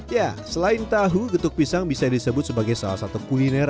ya selain tahu getuk pisang bisa disebut sebagai salah satu kuliner